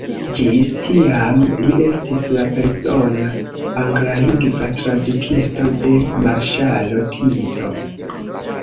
Ĝis tiam, li estis la persona anglalingva tradukisto de marŝalo Tito.